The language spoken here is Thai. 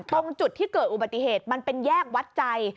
ตรงจุดที่เกิดอุบัติเหตุมันเป็นแยกวัดใจ